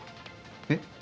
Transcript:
えっ？